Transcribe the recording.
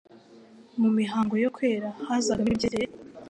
Mu mihango yo kwera hazagamo ibyerekeye